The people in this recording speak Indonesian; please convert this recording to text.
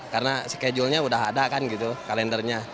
karena schedule nya udah ada kan gitu kalendernya